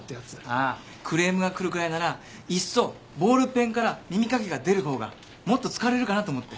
ああクレームが来るくらいならいっそボールペンから耳かきが出る方がもっと使われるかなと思って。